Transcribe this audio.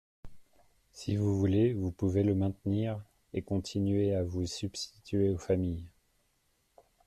Si vous voulez, vous pouvez le maintenir et continuer à vous substituer aux familles.